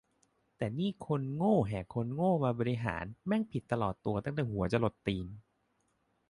แต่นี่คนโง่แห่คนโง่มาบริหาร แม่งผิดตลอดตัวแต่หัวจรดตีน